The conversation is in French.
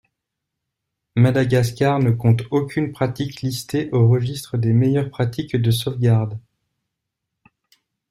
Madagascar ne compte aucune pratique listée au registre des meilleures pratiques de sauvegarde.